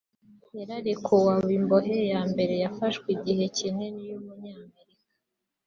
yararekuwe aba imbohe ya mbere yafashwe igihe kinini y’umunyamerika